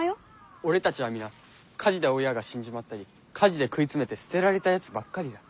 俺たちは皆火事で親が死んじまったり火事で食い詰めて捨てられたやつばっかりだ。